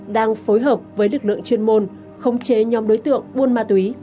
đang phối hợp với lực lượng chuyên môn khống chế nhóm đối tượng buôn ma túy